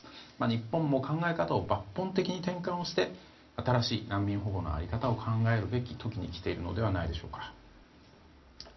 日本も考え方を抜本的に転換して新しい難民保護の在り方を考えるべき時に来ているのではないでしょうか。